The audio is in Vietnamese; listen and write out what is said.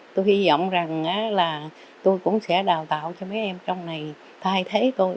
tôi hy vọng rằng là tôi cũng sẽ đào tạo cho mấy em trong này thay thế tôi